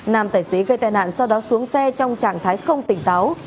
nam tài xế gây tai nạn sau đó xuống xe trong trạng thái không tỉnh táo